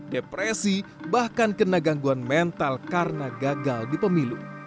depresi bahkan kena gangguan mental karena gagal di pemilu